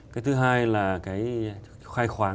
cái thứ hai là cái khai khoáng